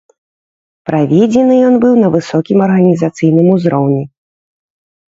Праведзены ён быў на высокім арганізацыйным узроўні.